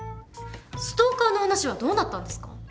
ストーカーの話はどうなったんですか？